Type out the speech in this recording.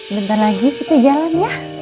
bentar lagi itu jalan ya